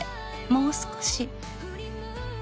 「もう少し」